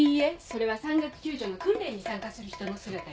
それは山岳救助の訓練に参加する人の姿よ。